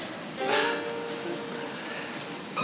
mau diapain mas